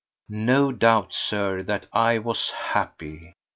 No doubt, Sir, that I was happy.